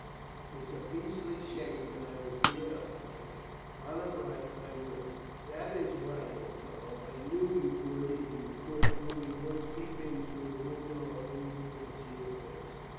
"It is a beastly shame, and I will give it up, Frank; honour bright, I will." "That is right, old fellow; I knew you would if you could only once peep in through the window of an evening and see her face."